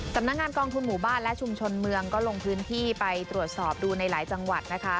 สำนักงานกองทุนหมู่บ้านและชุมชนเมืองก็ลงพื้นที่ไปตรวจสอบดูในหลายจังหวัดนะคะ